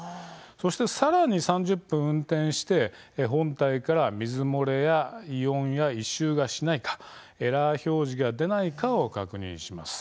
そして、さらに３０分運転して本体から水漏れや異音や異臭がしないかエラー表示が出ないかなどを確認します。